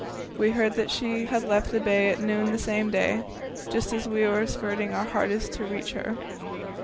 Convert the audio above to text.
We heard that she had left the bay at noon the same day just as we were spurting our hardest to reach her.